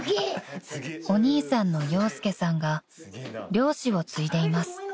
［お兄さんの陽介さんが漁師を継いでいます］